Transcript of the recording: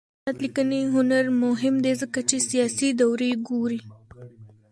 د علامه رشاد لیکنی هنر مهم دی ځکه چې سیاسي دورې ګوري.